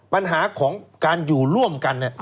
ปัญหาของการอยู่ร่วมกัน